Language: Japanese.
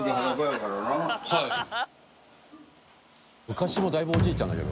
昔もだいぶおじいちゃんだけど。